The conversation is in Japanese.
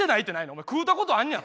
お前食うたことあんねやろ？